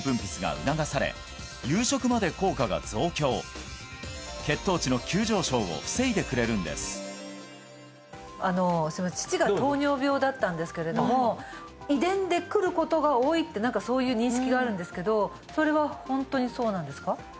あのすいません父が糖尿病だったんですけれども遺伝でくることが多いってそういう認識があるんですけどそれはホントにそうなんですか？